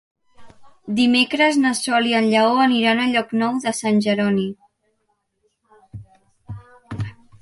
Dimecres na Sol i en Lleó aniran a Llocnou de Sant Jeroni.